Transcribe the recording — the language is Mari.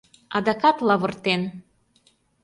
Адакат лавыртен!